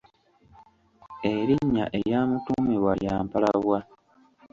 Erinnya eryamutuumibwa lya Mpalabwa.